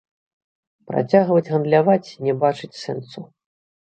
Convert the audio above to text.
Працягваць гандляваць не бачыць сэнсу.